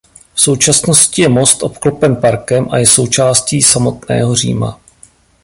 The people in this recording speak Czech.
V současnosti je most obklopen parkem a je součástí samotného Říma.